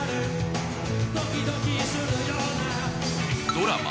ドラマ